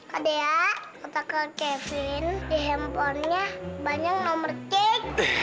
kak dea kak kevin di handphonenya banyak nomor cek